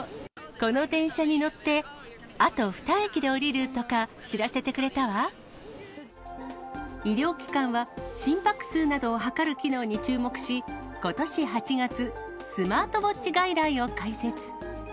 この電車に乗って、あと２駅で降りるとか、医療機関は、心拍数などを測る機能に注目し、ことし８月、スマートウォッチ外来を開設。